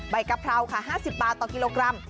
กะเพราค่ะ๕๐บาทต่อกิโลกรัม